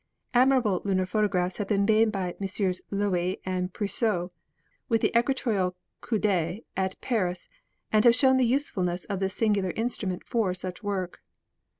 Admirable lunar photographs have been made by MM. Loewy and Puiseux, with the equatorial coude, at Paris, and have shown the usefulness of this singular instrument for such work.